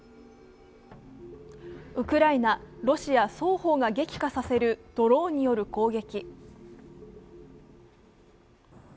ウクライナ・ロシア双方が激化させるドローンによる攻撃。